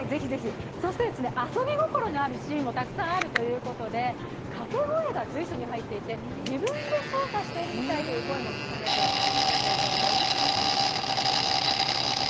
そして、遊び心のあるシーンもありまして掛け声が随所に入っていて、自分で操作しているみたいという声も聞かれています。